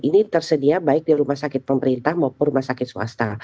ini tersedia baik di rumah sakit pemerintah maupun rumah sakit swasta